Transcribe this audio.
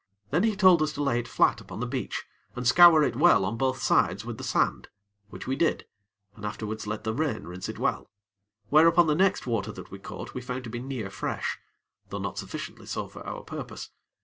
Then he told us to lay it flat upon the beach, and scour it well on both sides with the sand, which we did, and afterwards let the rain rinse it well, whereupon the next water that we caught we found to be near fresh; though not sufficiently so for our purpose.